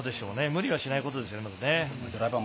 無理はしないことですね。